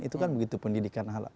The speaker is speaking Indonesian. itu kan begitu pendidikan halal